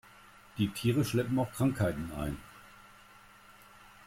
Die Tiere schleppen auch Krankheiten ein.